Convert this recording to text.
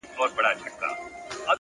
هدف روښانه وي نو قدمونه سمېږي،